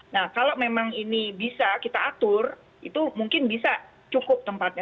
nah kalau memang ini bisa kita atur itu mungkin bisa cukup tempatnya